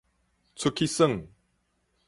出去耍